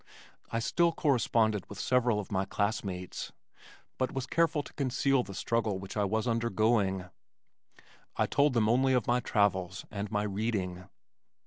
I still corresponded with several of my classmates, but was careful to conceal the struggle that I was undergoing. I told them only of my travels and my reading.